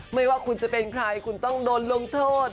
ไม่ว่าคุณจะเป็นใครคุณต้องโดนลงโทษ